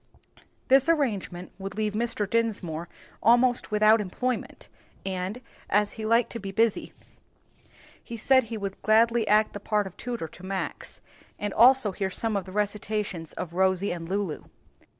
This arrangement would leave Mr. Dinsmore almost without employment, and, as he liked to be busy, he said he would gladly act the part of tutor to Max, and also hear some of the recitations of Rosie and Lulu.